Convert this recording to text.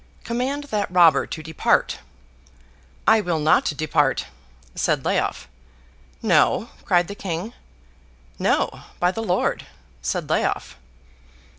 Command that robber to depart!' 'I will not depart!' said Leof. 'No?' cried the King. 'No, by the Lord!' said Leof.